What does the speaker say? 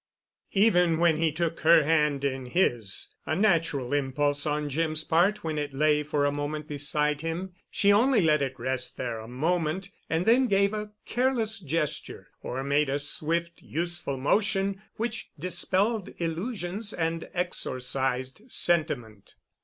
Even when he took her hand in his—a natural impulse on Jim's part when it lay for a moment beside him—she only let it rest there a moment and then gave a careless gesture or made a swift useful motion which dispelled illusions and exorcised sentiment.